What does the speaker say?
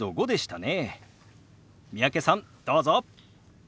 三宅さんどうぞ！